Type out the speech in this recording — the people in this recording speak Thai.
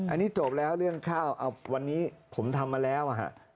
อันนี้จบแล้วเรื่องข้าววันนี้ผมทำมาแล้ว